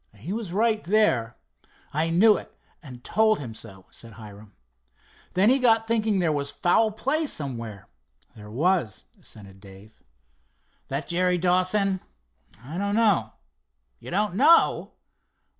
"He was right there." "I knew it, and told him so," said Hiram. "Then he got thinking there was foul play somewhere." "There was," assented Dave. "That Jerry Dawson?" "I don't know." "You don't know?"